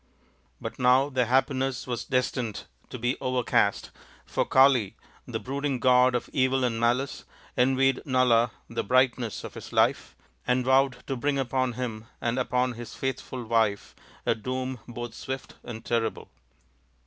But now their happiness was destined to be overcast, for Kali, the brooding god of evil and malice, envied Nala the brightness of his life, and vowed to bring upon him and upon his faithful wife a doom both swift and terrible.